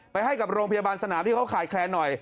ให้กับโรงพยาบาลสนามที่เขาขาดแคลนหน่อย